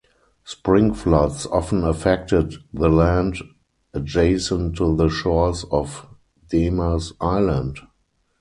Spring floods often affected the land adjacent to the shores of Demers Island.